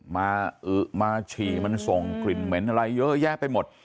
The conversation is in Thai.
มาอึมาฉี่มันส่งกลิ่นเหม็นอะไรเยอะแยะไปหมด